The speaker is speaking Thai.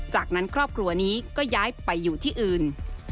จากนั้นครอบครัวนี้ก็ย้ายไปอยู่ที่อื่น